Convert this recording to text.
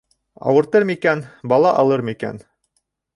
Ауыртыр микән, бала алыр микән?